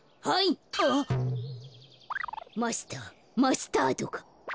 マスターマスタードが。